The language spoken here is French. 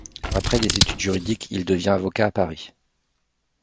Après des études juridiques, il devient avocat à Paris.